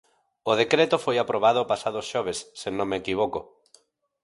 O decreto foi aprobado o pasado xoves, se non me equivoco.